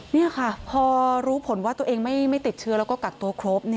นี่ค่ะพอรู้ผลว่าตัวเองไม่ติดเชื้อแล้วก็กักตัวครบ